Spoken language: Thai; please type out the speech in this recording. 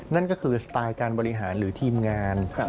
นั่นก็คือสไตล์การบริหารหรือทีมงาน